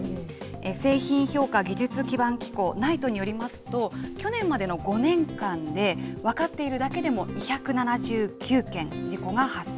製品評価技術基盤機構・ＮＩＴＥによりますと、去年までの５年間で、分かっているだけでも２７９件、事故が発生。